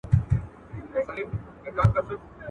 له هر چا یې دی د عقل میدان وړی.